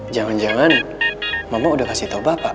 jangan jangan mama udah kasih tau bapak